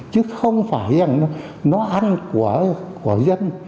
chứ không phải rằng nó ăn của dân